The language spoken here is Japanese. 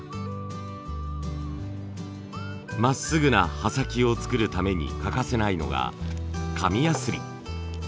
まっすぐな刃先を作るために欠かせないのが紙ヤスリ。